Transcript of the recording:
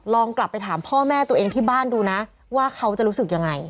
ลองกลับไปถามพ่อแม่ตัวเองที่บ้านดูนะว่าเขาจะรู้สึกยังไง